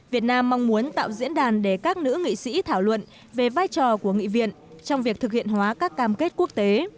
việt nam mong muốn tạo diễn đàn để các nữ nghị sĩ thảo luận về vai trò của nghị viện trong việc thực hiện hóa các cam kết quốc tế